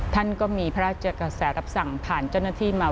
ท่านก็มีพระราชกระแสรับสั่งผ่านเจ้าหน้าที่มา